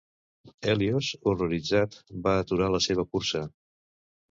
Hèlios, horroritzat, va aturar la seva cursa.